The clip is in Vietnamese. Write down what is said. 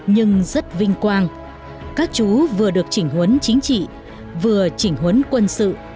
nhưng rất vinh quang các chú vừa được chỉnh huấn chính trị vừa chỉnh huấn quân sự